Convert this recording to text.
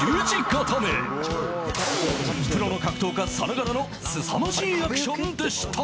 ［プロの格闘家さながらのすさまじいアクションでした］